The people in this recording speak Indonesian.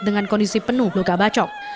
dengan kondisi penuh luka bacok